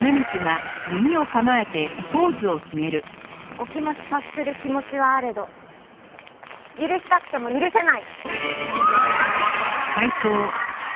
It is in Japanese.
お気持ち察する気持ちはあれど許したくても許せない！